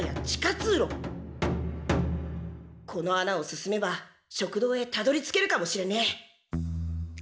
このあなを進めば食堂へたどりつけるかもしれねえ。